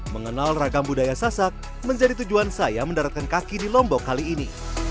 mengenal ragam budaya sasak menjadi tujuan saya mendaratkan kaki di lombok kali ini